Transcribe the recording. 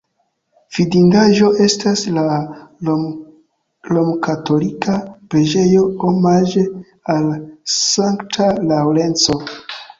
Vidindaĵo estas la romkatolika preĝejo omaĝe al Sankta Laŭrenco.